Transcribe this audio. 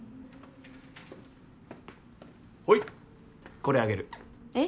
ほいこれあげるえっ？